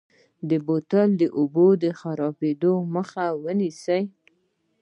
بوتل د اوبو د خرابېدو مخه نیسي.